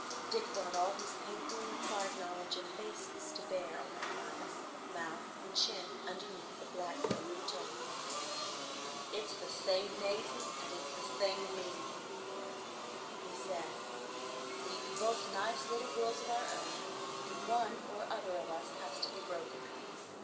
Dick brought all his painfully acquired knowledge of faces to bear on the eyes, mouth, and chin underneath the black velvet toque. "It's the same Maisie, and it's the same me," he said. "We've both nice little wills of our own, and one or other of us has to be broken.